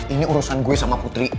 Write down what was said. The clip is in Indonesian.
ini urusan gue sama putri